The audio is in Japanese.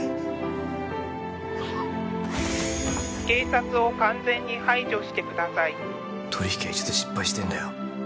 警察を完全に排除してください取り引きは一度失敗してんだよ